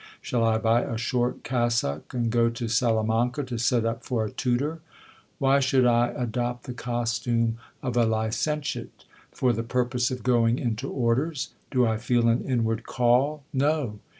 Shall I buy a short cassock, and go to Salamanca to set up for a tutor ? Why should I adopt the costume of a licentiate ? For the purpose of going into orders ? Do I feel an inward call ? No